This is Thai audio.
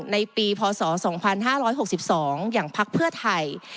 ในปีพศ๒๕๖๒อย่างพักเพื่อไทย